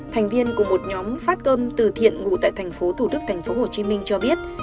thành viên của một nhóm phát cơm từ thiện ngủ tại tp thcm cho biết